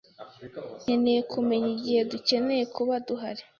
Nkeneye kumenya igihe dukeneye kuba duhari.